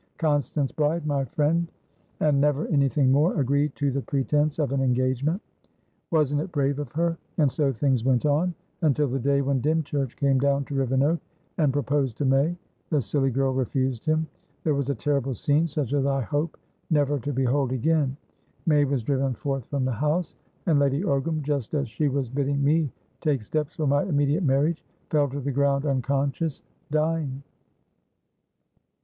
Constance Bride, my friend and never anything more, agreed to the pretence of an engagement. Wasn't it brave of her? And so things went on, until the day when Dymchurch came down to Rivenoak, and proposed to May. The silly girl refused him. There was a terrible scene, such as I hope never to behold again. May was driven forth from the house, and Lady Ogram, just as she was bidding me take steps for my immediate marriage, fell to the ground unconsciousdying."